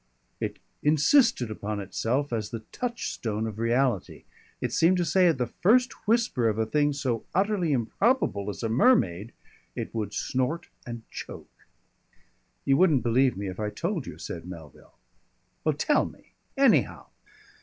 It insisted upon itself as the touchstone of reality. It seemed to say that at the first whisper of a thing so utterly improbable as a mermaid it would snort and choke. "You wouldn't believe me if I told you," said Melville. "Well, tell me anyhow."